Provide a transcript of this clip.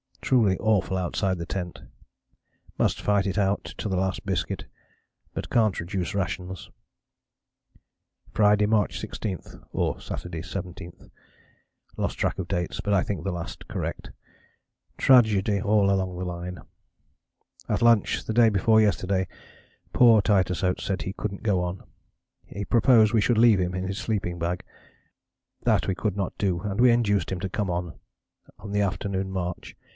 Truly awful outside the tent. Must fight it out to the last biscuit, but can't reduce rations." [Illustration: A BLIZZARD CAMP E. A. Wilson, del.] "Friday, March 16, or Saturday, 17. Lost track of dates, but think the last correct. Tragedy all along the line. At lunch, the day before yesterday, poor Titus Oates said he couldn't go on; he proposed we should leave him in his sleeping bag. That we could not do, and we induced him to come on, on the afternoon march.